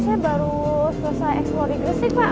saya baru selesai eksplorasi gresik pak